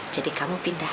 jadi kamu pindah